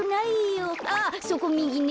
あっそこみぎね。